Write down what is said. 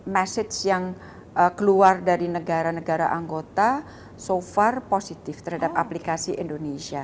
message yang keluar dari negara negara anggota so far positif terhadap aplikasi indonesia